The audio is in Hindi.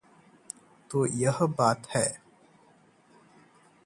तो यह बात है!